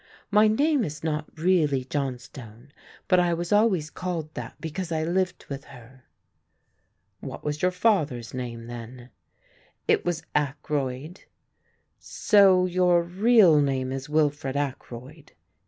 My name is not really Johnstone, but I was always called that because I lived with her." "What was your father's name then?" "It was Ackroyd." "So your real name is Wilfred Ackroyd?"